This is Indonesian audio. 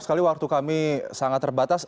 sekali waktu kami sangat terbatas